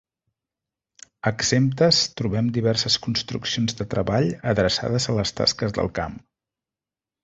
Exemptes trobem diverses construccions de treball adreçades a les tasques del camp.